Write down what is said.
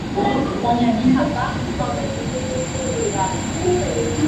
Oñani hatã ha ojupi yvyráre